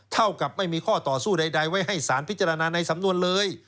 เท่ากับไม่มีข้อต่อสู้ใดไว้ให้สารพิจารณาในสำนวนเลย